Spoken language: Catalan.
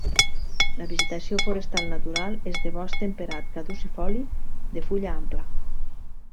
La vegetació forestal natural és de bosc temperat caducifoli de fulla ampla.